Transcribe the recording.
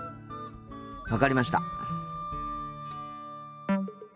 分かりました。